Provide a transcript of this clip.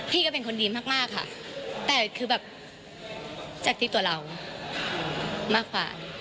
พี่ก็เป็นคนดีมากค่ะแต่คือแบบจากที่ตัวเรามากกว่า